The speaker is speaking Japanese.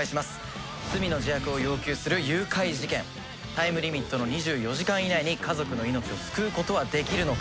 タイムリミットの２４時間以内に家族の命を救うことはできるのか？